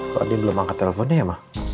kok dia belum angkat teleponnya ya mak